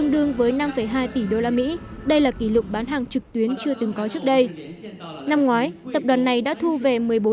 đây là kỷ lục bán hàng trực tuyến chưa từng có trước đây năm ngoái tập đoàn này đã thu về một mươi bốn ba